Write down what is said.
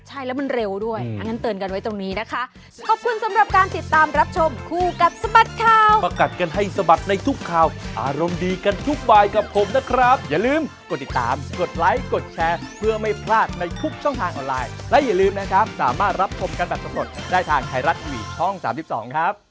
ใช่แล้วมันเร็วด้วยอันนั้นเตือนกันไว้ตรงนี้นะคะ